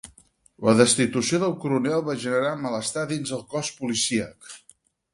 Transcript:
La destitució del coronel va generar malestar dins del cos policíac.